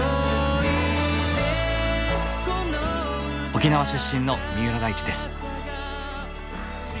沖縄出身の三浦大知です。